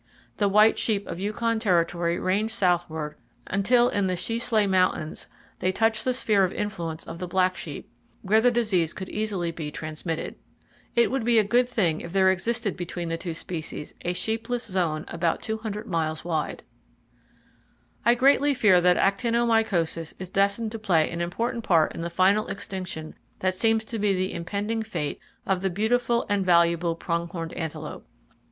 The white sheep of Yukon Territory range southward until in the Sheslay Mountains they touch the sphere of influence of the black sheep, where the disease could easily be transmitted. It would be a good thing if there existed between the two species a sheepless zone about 200 miles wide. I greatly fear that actinomycosis is destined to play an important part in the final extinction that seems to be the impending fate of the beautiful and valuable prong horned antelope.